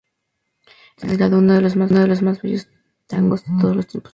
Ha sido considerado uno de los más bellos tangos de todos los tiempos.